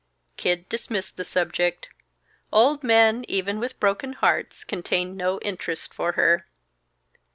Kid dismissed the subject. Old men, even with broken hearts, contained no interest for her.